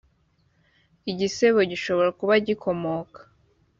igisebo gishobora kuba gikomoka